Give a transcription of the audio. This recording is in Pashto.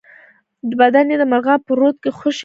بدن یې د مرغاب په رود کې خوشی کړ.